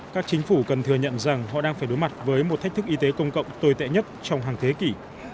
các chính phủ cần thừa nhận rằng họ đang phải đối mặt với một thách thức y tế công cộng tồi tệ nhất trong hàng thế kỷ